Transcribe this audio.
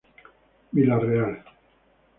Vila real